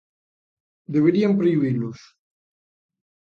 Deberían prohibilos.